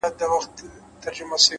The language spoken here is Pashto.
هره ستونزه د حل وړ ده؛